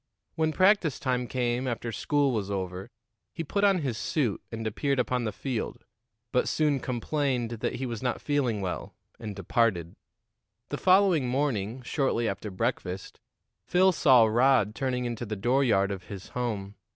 When practice time came after school was over, he put on his suit and appeared upon the field, but soon complained that he was not feeling well, and departed. The following morning, shortly after breakfast, Phil saw Rod turning into the dooryard of his home.